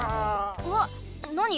うわっなに？